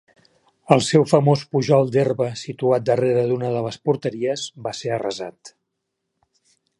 El seu famós pujol d'herba situat darrere d'una de les porteries va ser arrasat.